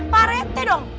pak rt dong